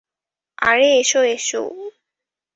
আরে, এসো এসো!